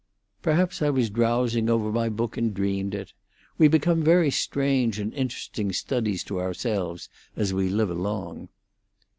"Perhaps I was drowsing over my book and dreamed it. We become very strange and interesting studies to ourselves as we live along."